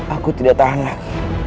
aku tidak tahan lagi